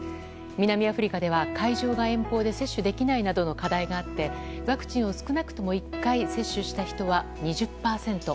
南アフリカでは会場が遠方で接種できないなどの課題があってワクチンを少なくとも１回接種した人は２０％